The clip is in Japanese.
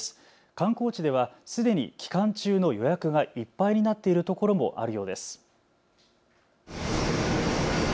観光地ではすでに期間中の予約がいっぱいになっている所もあるようです。